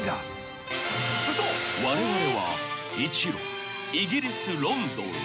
［われわれは一路イギリスロンドンへ］